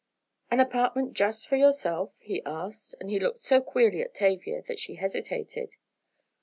"An apartment just for yourself?" he asked, and he looked so queerly at Tavia that she hesitated.